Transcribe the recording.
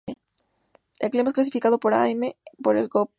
El clima es clasificado como Am por el Köppen-Geiger.